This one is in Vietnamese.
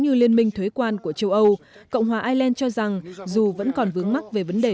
như liên minh thuế quan của châu âu cộng hòa ireland cho rằng dù vẫn còn vướng mắc về vấn đề